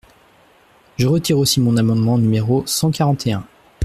Je retire aussi mon amendement numéro cent quarante et un.